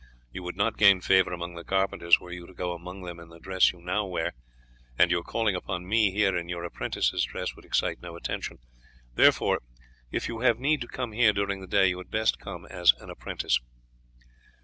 You would not gain favour among the carpenters were you to go among them in the dress you now wear, and your calling upon me here in your apprentice's dress would excite no attention; therefore, if you have need to come here during the day, you had best come as an apprentice."